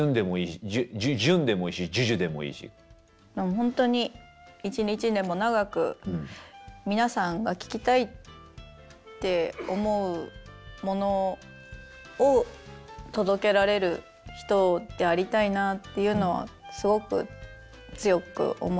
ほんとに一日でも長く皆さんが聴きたいって思うものを届けられる人でありたいなあっていうのはすごく強く思います。